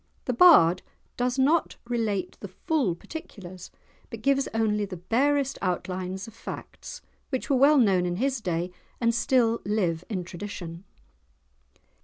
The bard does not relate the full particulars, but gives only the barest outlines of facts, which were well known in his day, and still live in tradition.